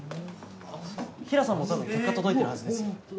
あっ平良さんもたぶん結果届いてるはずですよ。